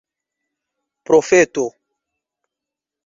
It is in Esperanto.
profeto